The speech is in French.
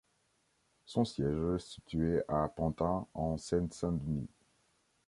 Son siège est situé à Pantin en Seine-Saint-Denis.